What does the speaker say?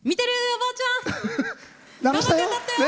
おばあちゃん。